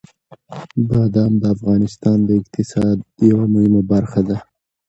بادام د افغانستان د اقتصاد یوه مهمه برخه ده.